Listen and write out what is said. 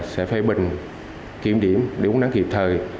sẽ phê bình kiểm điểm để uống nắng kịp thời